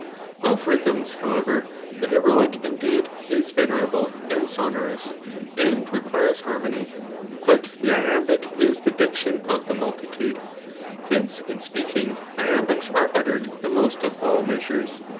Of rythms, hoiMfer^ the heroic indeed is Teti^irable and sonorous, and recjulres harmony. But the iambic is the diction of the multitude. Hence, in speaking, iam Imcs are uttered the most of all measures.